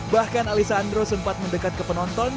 bahkan alessandro sempat mendekat ke penonton